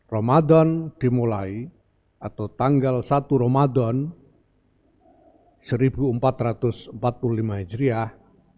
ramadan dimulai atau tanggal satu ramadan seribu empat ratus empat puluh lima hijriah